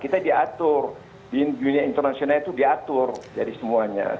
kita diatur di dunia internasional itu diatur jadi semuanya